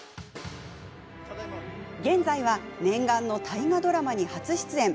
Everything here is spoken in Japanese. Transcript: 現在は念願の大河ドラマに初出演。